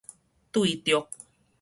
對著